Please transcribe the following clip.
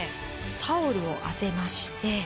タオルを当てまして。